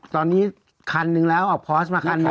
ตอนนี้คันนึงแล้วเอาพอสมาคันหนึ่ง